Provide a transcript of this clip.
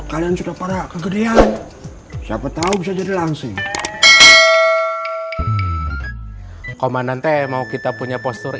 kalau kalian sudah para kegedean siapa tahu bisa jadi langsing komandan teh mau kita punya postur